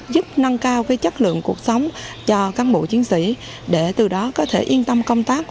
giúp nâng cao chất lượng cuộc sống cho cán bộ chiến sĩ để từ đó có thể yên tâm công tác